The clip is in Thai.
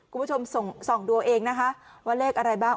คุณผู้ชมส่องดูเองนะคะว่าเลขอะไรบ้าง